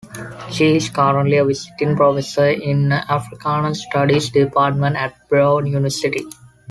She is currently a Visiting Professor in the Africana Studies Department at Brown University.